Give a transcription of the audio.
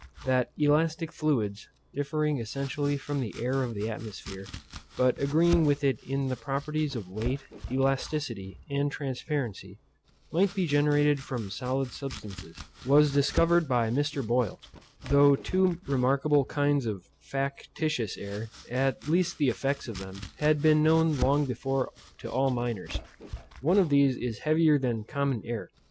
That elastic fluids, differing essentially from the air of the atmosphere, but agreeing with it in the properties of weight, elasticity, and transparency, might be generated from solid substances, was discovered by Mr. Boyle, though two remarkable kinds of factitious air, at least the effects of them, had been known long before to all miners. One of these is heavier than common air.